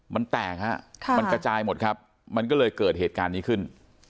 มันแตกฮะมันกระจายหมดครับมันก็เลยเกิดเหตุการณ์นี้ขึ้น